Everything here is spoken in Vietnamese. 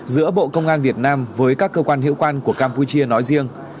giữa bộ công an việt nam với các cơ quan hiệu quan của campuchia nói riêng